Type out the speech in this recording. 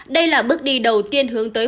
đây là bước đi đầu tiên hướng tới